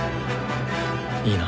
いいな。